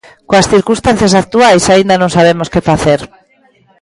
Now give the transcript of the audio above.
Coas circunstancias actuais aínda non sabemos que facer.